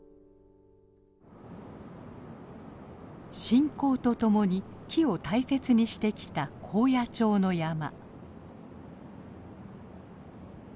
信仰とともに木を大切にしてきた高野町の山。